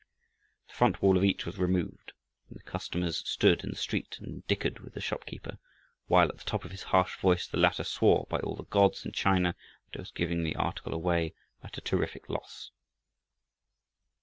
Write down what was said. The front wall of each was removed, and the customers stood in the street and dickered with the shopkeeper, while at the top of his harsh voice the latter swore by all the gods in China that he was giving the article away at a terrific loss.